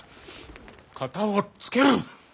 片をつける！